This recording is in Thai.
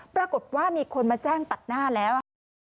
ปรากฏว่ามีคนมาแจ้งตัดหน้าแล้วค่ะ